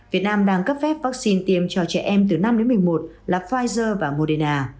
việt nam đang cấp phép vaccine tiêm cho trẻ em từ năm đến một mươi một là pfizer và moderna